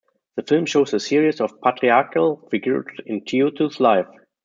The film shows a series of patriarchal figures in Tietou's life.